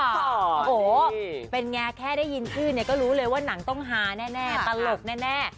โอ้โหเป็นไงแค่ได้ยินชื่อเนี่ยก็รู้เลยว่าหนังต้องฮาแน่ตลกแน่